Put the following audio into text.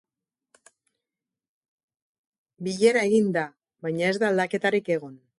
Bilera egin da, baina ez da aldaketarik egon.